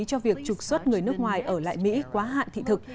cho việc trục xuất người nước ngoài ở lại mỹ quá hạn thị thực